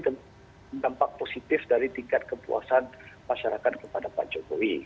dampak positif dari tingkat kepuasan masyarakat kepada pak jokowi